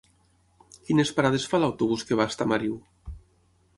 Quines parades fa l'autobús que va a Estamariu?